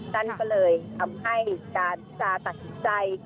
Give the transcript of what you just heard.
จันทร์ก็เลยทำให้การศึกษาตัดสินใจ